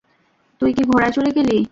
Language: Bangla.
তুই কি ঘোড়ায় চড়ে গেলি?